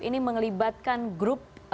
ini mengelibatkan grup